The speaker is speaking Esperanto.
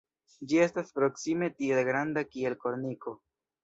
Ĝi estas proksime tiel granda kiel korniko.